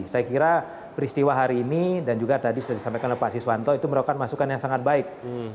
saya kira peristiwa hari ini dan juga tadi sudah disampaikan oleh pak asiswanto itu merupakan masukan yang sangat baik